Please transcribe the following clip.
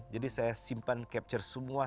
jadi saya simpan capture semua